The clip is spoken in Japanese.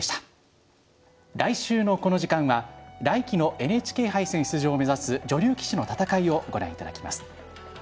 来週のこの時間は来期のＮＨＫ杯戦出場を目指す女流棋士の戦いをご覧いただきます。